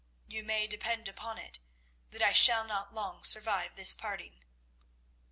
You may depend upon it that I shall not long survive this parting."